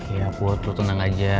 ya put tenang aja